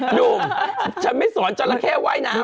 หนุ่มฉันไม่สอนจัลลาแคว้น้ำหรอก